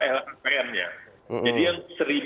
lhkpnnya jadi yang